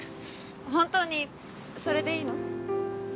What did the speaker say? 本当にそれでいいの？